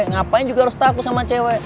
ngapain juga harus takut sama cewek